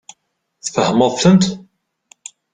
Tfehmeḍ-tent?